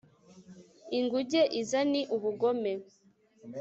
inguge iza ni ubugome